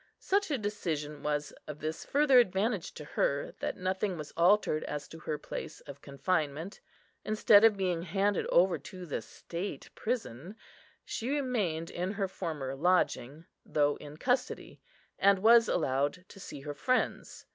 Such a decision was of this further advantage to her, that nothing was altered as to her place of confinement. Instead of being handed over to the state prison, she remained in her former lodging, though in custody, and was allowed to see her friends.